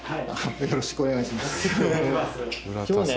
よろしくお願いします。